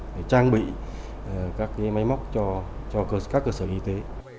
để trang bị các máy móc cho các cơ sở y tế